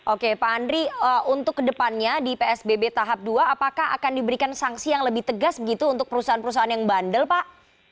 oke pak andri untuk kedepannya di psbb tahap dua apakah akan diberikan sanksi yang lebih tegas begitu untuk perusahaan perusahaan yang bandel pak